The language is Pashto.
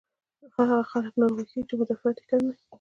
هاغه خلک ناروغه کيږي چې مدافعت ئې کم وي